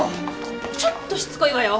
ちょっとしつこいわよ。